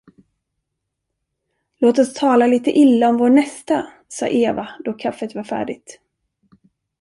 Låt oss tala litet illa om vår nästa, sade Eva, då kaffet var färdigt.